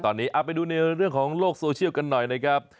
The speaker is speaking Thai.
ตอนนี้เอาไปดูในเรื่องของโลกโซเชียลกันหน่อยนะครับ